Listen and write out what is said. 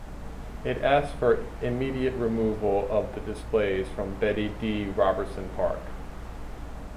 It asks for immediate removal of the displays from Bettie D. Robertson park.